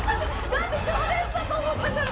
だって賞レースだと思ったから。